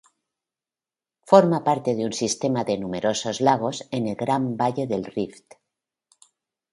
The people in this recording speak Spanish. Forma parte de un sistema de numerosos lagos en el Gran Valle del Rift.